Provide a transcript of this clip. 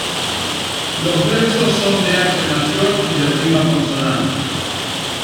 Los versos son de arte mayor y de rima consonante.